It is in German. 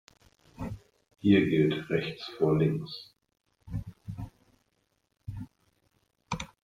Hier gilt rechts vor links.